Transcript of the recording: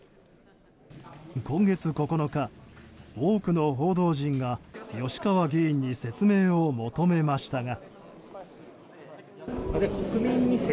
今月９日、多くの報道陣が吉川議員に説明を求めましたが。